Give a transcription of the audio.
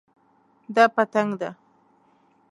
دا پتنګ ده